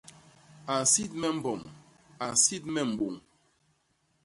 A nsit me mbom; a nsit me mbôñ.